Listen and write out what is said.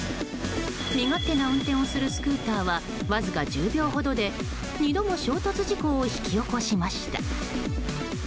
身勝手な運転をするスクーターはわずか１０秒ほどで２度も衝突事故を引き起こしました。